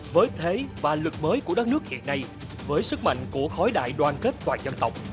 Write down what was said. với thế và lực mới của đất nước hiện nay với sức mạnh của khối đại đoàn kết toàn dân tộc